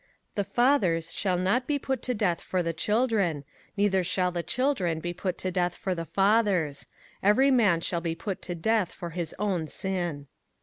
05:024:016 The fathers shall not be put to death for the children, neither shall the children be put to death for the fathers: every man shall be put to death for his own sin.